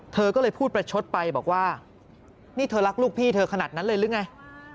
เธอก็เลยพูดประชดไปบอกว่านี่เธอรักลูกพี่เธอขนาดนั้นเลยหรือไง